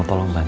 nunggu aja kan